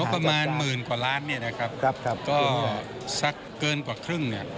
ประมาณ๑๐๐๐๐บาทก็สักเกินกว่าครึ่ง